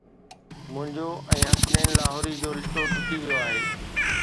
منهنجو ۽ حسنين لاهوري جو رشتو ٽٽي ويو آهي